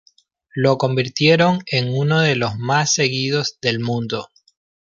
Lo convirtieron en uno de los más seguidos del mundo.